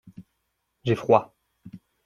J’ai froid.